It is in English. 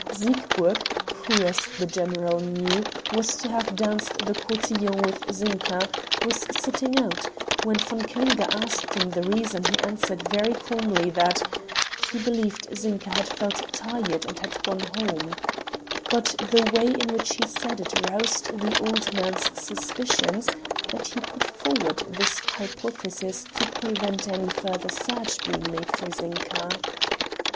Siegburg, who, as the general knew, was to have danced the cotillon with Zinka, was sitting out; when von Klinger asked him the reason he answered very calmly, that "he believed Zinka had felt tired and had gone home," But the way in which he said it roused the old man's suspicions that he put forward this hypothesis to prevent any further search being made for Zinka.